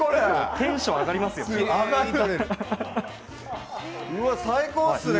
テンション上がりますよね。